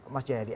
mas jaya yadi